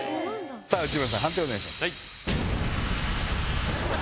内村さん判定お願いします。